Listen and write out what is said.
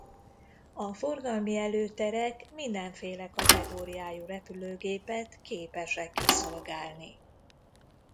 A forgalmi előterek mindenféle kategóriájú repülőgépet képesek kiszolgálni.